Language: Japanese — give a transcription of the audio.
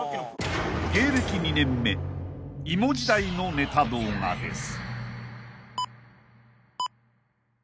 ［芸歴２年目イモ時代のネタ動画です］